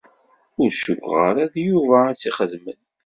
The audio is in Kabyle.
Ur cukkeɣ ara d Yuba i tt-ixedmen.